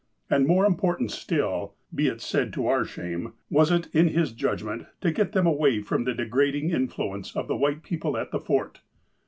And, more important still, be it said to our shame, was it, in his judgment, to get them away from the degrading in fluence of the white people at the Fort.